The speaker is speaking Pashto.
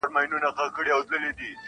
ما جوړ کړی دی دربار نوم مي امیر دی-